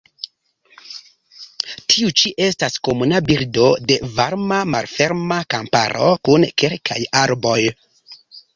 Tiu ĉi estas komuna birdo de varma malferma kamparo kun kelkaj arboj.